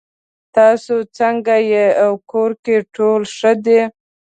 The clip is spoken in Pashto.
تاسو څنګه یې او کور کې ټول ښه دي